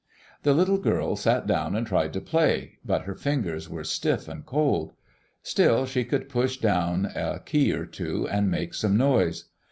The little girl sat down and tried to play; but her fingers were stiff and cold. Still, she could push down a key or two and make some noise.